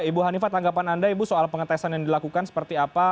ibu hanifah tanggapan anda ibu soal pengetesan yang dilakukan seperti apa